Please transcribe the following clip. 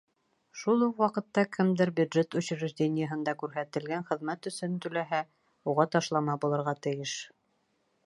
Шул уҡ ваҡытта кемдер бюджет учреждениеһында күрһәтелгән хеҙмәт өсөн түләһә, уға ташлама булырға тейеш.